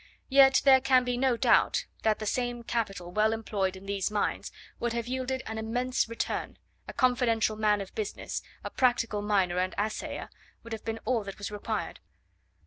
Yet there can be no doubt, that the same capital well employed in these mines would have yielded an immense return, a confidential man of business, a practical miner and assayer, would have been all that was required.